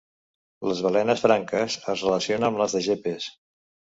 Les balenes franques es relacionen amb les de gepes.